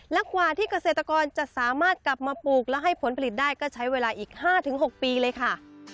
และกว่าที่เกษตรกรจะสามารถกลับมาปลูกและให้ผลผลิตได้ก็ใช้เวลาอีก๕๖ปีเลยค่ะ